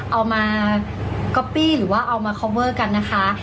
เอามาก๊อปปี้หรือว่าเอามาคอมเวอร์กันนะคะ